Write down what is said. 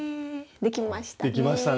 できましたね。